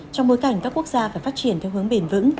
trong bối cảnh các quốc gia phải phát triển theo hướng bền vững